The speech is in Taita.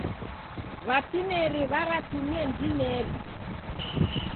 W'atineri w'aratumia ndineri.